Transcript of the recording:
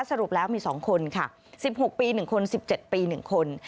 สรุปแล้วมี๒คนค่ะ๑๖ปี๑คน๑๗ปี๑คน